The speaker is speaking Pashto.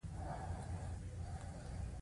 دغه مشران پوهېدل چې رودز یې له ناورین سره مخ کوي.